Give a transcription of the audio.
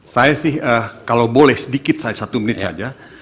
saya sih kalau boleh sedikit satu menit saja